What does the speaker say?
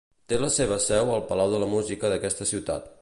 Té la seva seu al Palau de la Música d'aquesta ciutat.